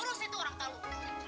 urus itu orang tua lu